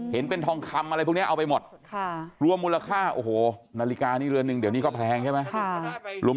เห็นเป็นทองคำอะไรพวกนี้เอาไปหมดรวมมูลค่าโอ้โหนาฬิกานี่เรือนหนึ่งเดี๋ยวนี้ก็แพงใช่ไหม